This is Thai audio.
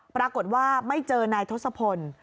ปรากฏว่าไม่เจอนายทศพล